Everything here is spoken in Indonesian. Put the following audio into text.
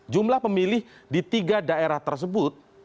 jumlah pemilih di tiga daerah tersebut